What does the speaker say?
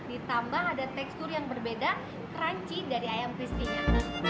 ditambah ada tekstur yang berbeda crunchy dari ayam crispy nya